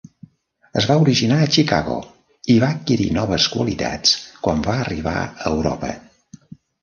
Es va originar a Chicago i va adquirir noves qualitats quan va arribar a Europa.